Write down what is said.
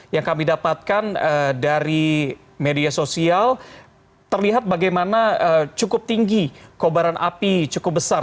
yang kami dapatkan dari media sosial terlihat bagaimana cukup tinggi kobaran api cukup besar